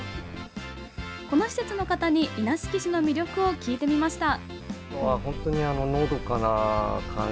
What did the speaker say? この施設の方に稲敷市の魅力を聞いてみました。